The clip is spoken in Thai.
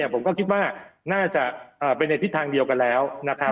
ผมก็คิดว่าน่าจะไปในทิศทางเดียวกันแล้ว